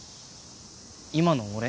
今の俺？